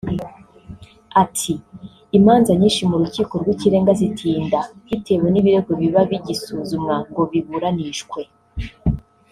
Ati “ Imanza nyinshi mu rukiko rw’ikirenga zitinda bitewe n’ibirego biba bigisuzumwa ngo biburanishwe